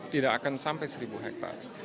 tidak akan sampai seribu hektare